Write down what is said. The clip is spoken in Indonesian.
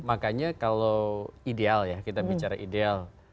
makanya kalau ideal ya kita bicara ideal